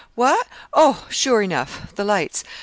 "What? Oh, sure enough the lights!